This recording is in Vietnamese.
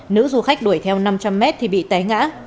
nữ du khách đuổi theo năm trăm linh mét thì bị té ngã